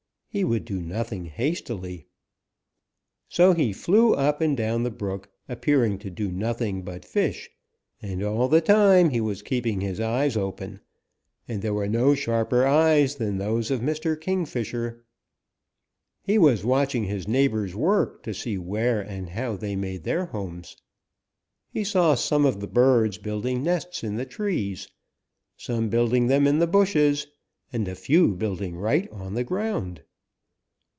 He would do nothing hastily. So he flew up and down the brook, appearing to do nothing but fish, but all the time he was keeping his eyes open, and there were no sharper eyes than those of Mr. Kingfisher. "He was watching his neighbors work to see where and how they made their homes. He saw some of the birds building nests in the trees, some building them in the bushes, and a few building right on the ground.